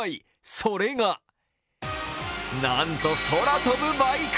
それが、なんと空飛ぶバイク。